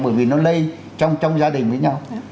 bởi vì nó lây trong gia đình với nhau